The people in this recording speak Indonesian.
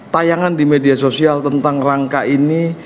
tayangan di media sosial tentang rangka ini